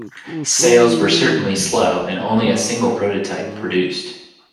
Sales were certainly slow, and only a single prototype produced.